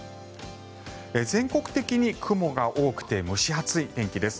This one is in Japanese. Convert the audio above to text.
全国的に雲が多くて蒸し暑い天気です。